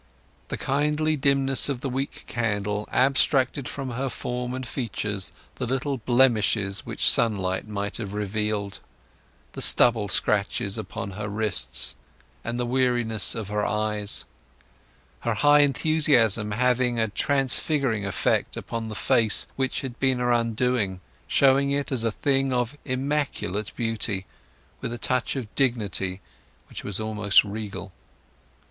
The kindly dimness of the weak candle abstracted from her form and features the little blemishes which sunlight might have revealed—the stubble scratches upon her wrists, and the weariness of her eyes—her high enthusiasm having a transfiguring effect upon the face which had been her undoing, showing it as a thing of immaculate beauty, with a touch of dignity which was almost regal.